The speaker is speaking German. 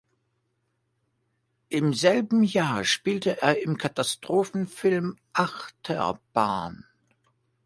Im selben Jahr spielte er im Katastrophenfilm "Achterbahn".